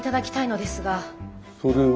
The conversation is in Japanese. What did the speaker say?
それは？